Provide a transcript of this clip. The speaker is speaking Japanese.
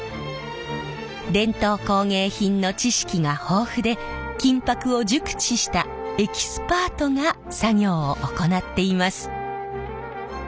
伝統工芸品の知識が豊富で金箔を熟知したエキスパートが作業を行っています。